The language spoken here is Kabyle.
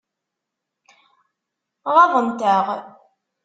Ɣaḍent-aɣ.